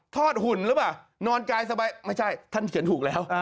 หุ่นหรือเปล่านอนกายสบายไม่ใช่ท่านเขียนถูกแล้ว